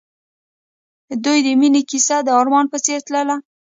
د دوی د مینې کیسه د آرمان په څېر تلله.